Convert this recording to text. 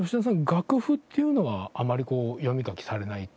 楽譜っていうのはあまりこう読み書きされない？